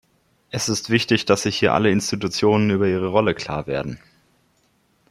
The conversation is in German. Es ist wichtig, dass sich hier alle Institutionen über ihre Rolle klar werden.